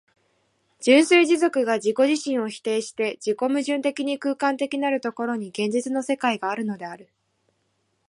純粋持続が自己自身を否定して自己矛盾的に空間的なる所に、現実の世界があるのである。